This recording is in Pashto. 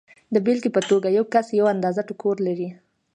د بېلګې په توګه یو کس یوه اندازه ټوکر لري